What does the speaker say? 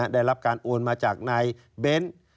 ได้รับการโอนมาจากนายเบ้น